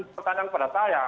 pertanyaan pada saya